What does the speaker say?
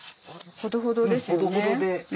ほどほどで。